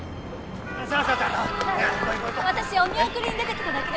私お見送りに出てきただけです。